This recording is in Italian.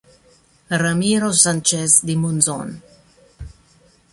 Ramiro Sánchez di Monzón